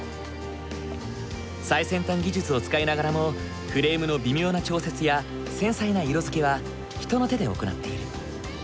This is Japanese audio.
最先端技術を使いながらもフレームの微妙な調節や繊細な色づけは人の手で行っている。